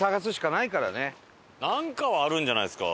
なんかはあるんじゃないですか